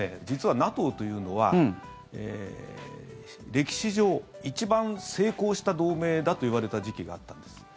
実はＮＡＴＯというのは歴史上一番成功した同盟だといわれた時期があったんです。